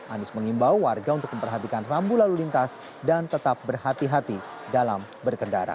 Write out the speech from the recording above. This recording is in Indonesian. anies mengimbau warga untuk memperhatikan rambu lalu lintas dan tetap berhati hati dalam berkendara